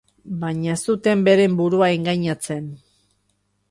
Baina ez zuten beren burua engainatzen.